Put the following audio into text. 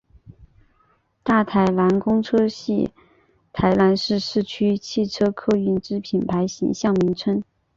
大台南公车系台南市市区汽车客运之品牌形象名称。